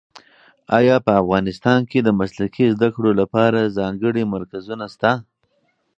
ایا په افغانستان کې د مسلکي زده کړو لپاره ځانګړي مرکزونه شته؟